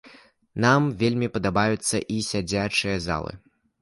Нам вельмі падабаюцца і сядзячыя залы.